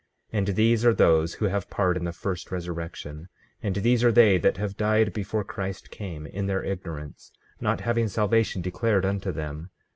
15:24 And these are those who have part in the first resurrection; and these are they that have died before Christ came, in their ignorance, not having salvation declared unto them.